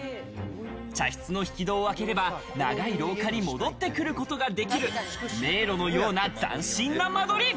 茶室の引き戸を開ければ長い廊下に戻ってくることができる迷路のような斬新な間取り。